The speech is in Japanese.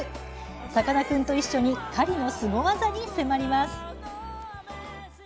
さかなクンと一緒に狩りのスゴ技に迫ります。